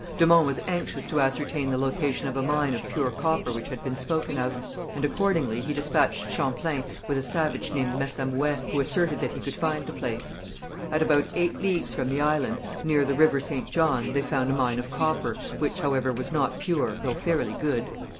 De Monts was anxious to ascertain the location of a mine of pure copper which had been spoken of, and accordingly he despatched Champlain, with a savage named Messamouet, who asserted that he could find the place. At about eight leagues from the island, near the river St. John, they found a mine of copper, which, however, was not pure, though fairly good.